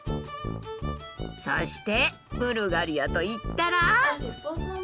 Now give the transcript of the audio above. そしてブルガリアといったら。